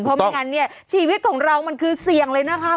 เพราะไม่งั้นเนี่ยชีวิตของเรามันคือเสี่ยงเลยนะคะ